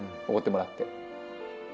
おごってもらって。